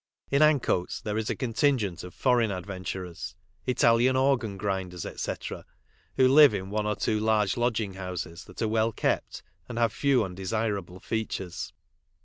In Ancoats there is a contingent of foreign adventurers, Italian organ grinders, &c, who live in one or two large lodging houses that are well kept and have few undesirable features.